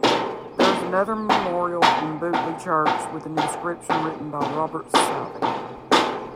There is another memorial in Butleigh Church with an inscription written by Robert Southey.